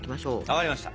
分かりました。